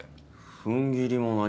ふんぎりも何も。